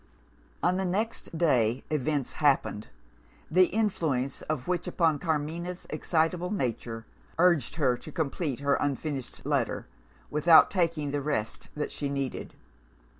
On the next day events happened, the influence of which upon Carmina's excitable nature urged her to complete her unfinished letter, without taking the rest that she needed.